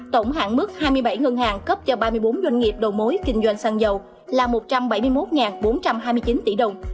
tổng hạn mức hai mươi bảy ngân hàng cấp cho ba mươi bốn doanh nghiệp đầu mối kinh doanh xăng dầu là một trăm bảy mươi một bốn trăm hai mươi chín tỷ đồng